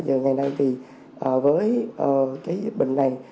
giờ ngày nay thì với cái dịch bệnh này